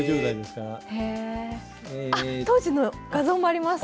あっ当時の画像もあります！